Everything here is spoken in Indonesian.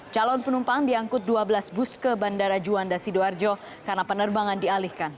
calon penumpang diangkut dua belas bus ke bandara juanda sidoarjo karena penerbangan dialihkan